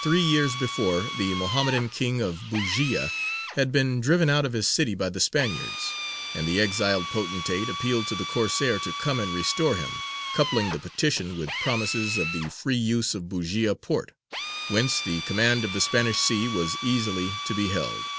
Three years before, the Mohammedan King of Bujēya had been driven out of his city by the Spaniards, and the exiled potentate appealed to the Corsair to come and restore him, coupling the petition with promises of the free use of Bujēya port, whence the command of the Spanish sea was easily to be held.